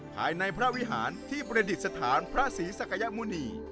ภายในพระวิหารที่ประดิษฐานพระศรีศักยมุณี